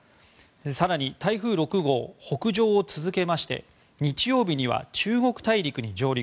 更に台風６号、北上を続けまして日曜日には中国大陸に上陸。